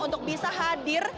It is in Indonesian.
untuk bisa hadir di program ini